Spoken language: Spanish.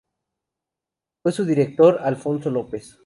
Fue su director Alfonso López.